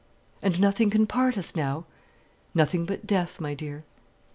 "And nothing can part us now?" "Nothing but death, my dear."